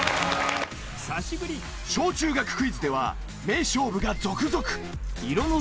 小中学クイズでは名勝負が続々！